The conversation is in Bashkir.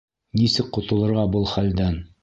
Нисек ҡотолорға был хәлдән?